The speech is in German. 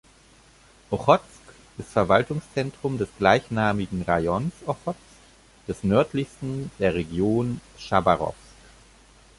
Ochotsk ist Verwaltungszentrum des gleichnamigen Rajons Ochotsk, des nördlichsten der Region Chabarowsk.